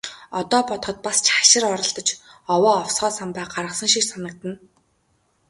Одоо бодоход бас ч хашир оролдож, овоо овсгоо самбаа гаргасан шиг санагдана.